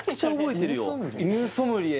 犬ソムリエ？